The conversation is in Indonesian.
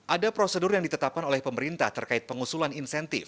ada prosedur yang ditetapkan oleh pemerintah terkait pengusulan insentif